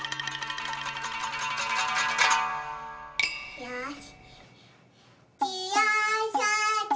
よし。